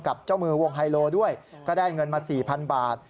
เจ้ามือวงไฮโลด้วยก็ได้เงินมา๔๐๐๐บาท